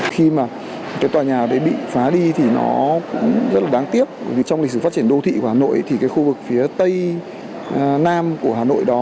khi mà tòa nhà bị phá đi thì nó cũng rất là đáng tiếc trong lịch sử phát triển đô thị của hà nội thì khu vực phía tây nam của hà nội đó